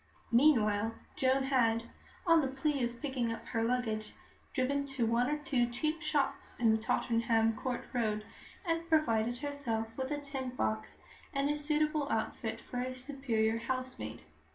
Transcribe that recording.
Meanwhile, Joan had, on the plea of picking up her luggage, driven to one or two cheap shops in the Tottenham Court Road, and provided herself with a tin box and a suitable outfit for a superior housemaid.